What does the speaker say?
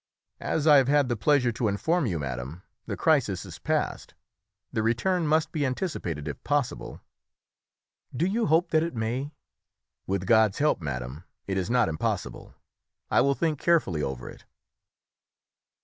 "As I have had the pleasure to inform you, madam, the crisis is past; the return must be anticipated, if possible." "Do you hope that it may?" "With God's help, madam, it is not impossible; I will think carefully over it."